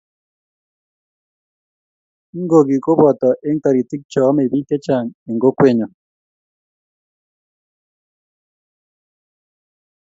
ngokie ko boto eng' toritik che omei biik chechang' eng' kokwenyo.